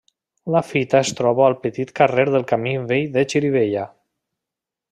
La fita es troba al petit carrer del camí vell de Xirivella.